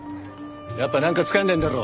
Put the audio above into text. やっぱりなんかつかんでるんだろ？